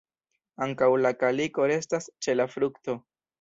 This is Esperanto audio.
Ankaŭ la kaliko restas ĉe la frukto.